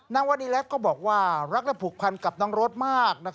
นางวันนี้แหละก็บอกว่ารักและผูกพันธ์กับน้องโรธมาก